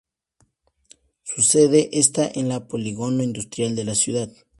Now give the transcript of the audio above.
Su sede está en el polígono industrial de la ciudad.